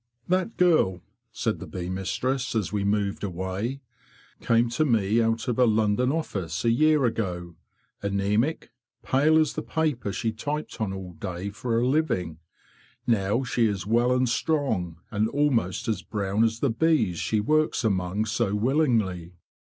" That girl,'' said the bee mistress, as we moved away, '' came to me out of a London office a year CHLOE AMONG THE BEES 4t ago, anemic, pale as the paper she typed on all day for a living. Now she is well and strong, and almost as brown as the bees she works among so willingly.